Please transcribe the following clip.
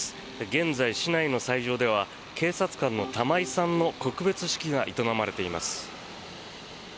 現在、市内の斎場では警察官の玉井さんの告別式が営まれています。